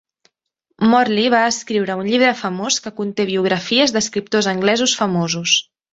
Morley va escriure un llibre famós que conté biografies d'escriptors anglesos famosos.